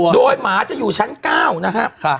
โดยหมาจะอยู่ชั้น๙นะครับ